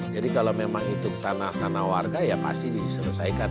jadi kalau memang itu tanah tanah warga ya pasti diselesaikan